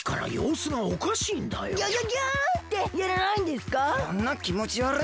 そんなきもちわるい